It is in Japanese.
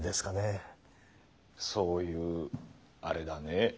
そういうアレだね。